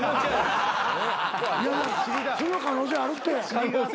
その可能性あるって。